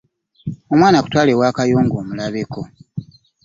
Omwana akutwale ewa Kayongo omulabeko.